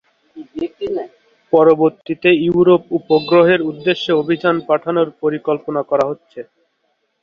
পরবর্তীতে ইউরোপা উপগ্রহের উদ্দেশ্যে অভিযান পাঠানোর পরিকল্পনা করা হচ্ছে।